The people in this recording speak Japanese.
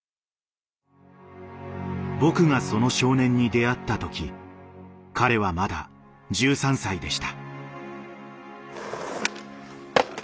僕がその少年に出会った時彼はまだ１３歳でした。